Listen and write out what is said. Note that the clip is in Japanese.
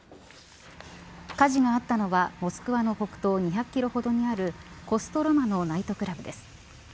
火事があったのはモスクワの北東２００キロほどにあるコストロマのナイトクラブです。